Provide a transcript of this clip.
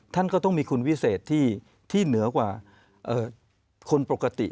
ท่านก็ต้องมีคุณวิเศษที่เหนือกว่าคนปกติ